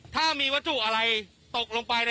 ถ้ามีวัตถุอะไรตกลงไปนะครับ